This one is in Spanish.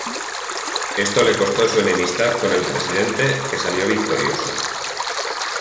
Esto le costó su enemistad con el presidente que salió victorioso.